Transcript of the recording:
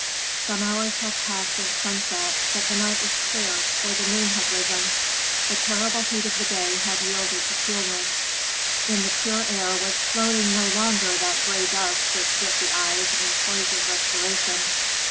Some hours had passed since sunset, but the night was clear, for the moon had risen. The terrible heat of the day had yielded to coolness. In the pure air was floating no longer that gray dust which bit the eyes and poisoned respiration.